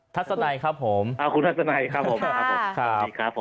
ทัศนัยครับผมคุณทัศนัยครับผม